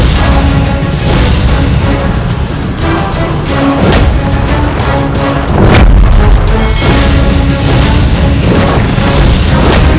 semoga allah selalu melindungi kita